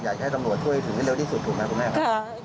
อยากให้ตำรวจช่วยได้เร็วที่สุดถูกไหมครับคุณแม่